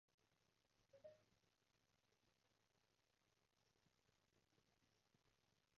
唔同嘅人自然噉出現喺佢哋會出現嘅地方就夠